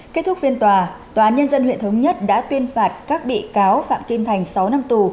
kết thúc phiên tòa tòa án nhân dân huyện thống nhất đã tuyên phạt các bị cáo phạm kim thành sáu năm tù